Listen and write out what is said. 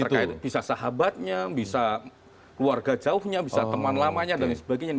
terkait bisa sahabatnya bisa keluarga jauhnya bisa teman lamanya dan sebagainya